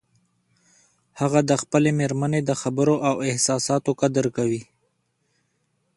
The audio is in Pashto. هغه د خپلې مېرمنې د خبرو او احساساتو قدر کوي